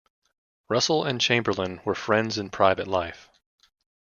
Russell and Chamberlain were friends in private life.